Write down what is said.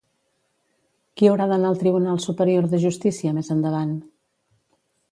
Qui haurà d'anar al tribunal superior de justícia més endavant?